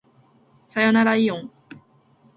さよならいおん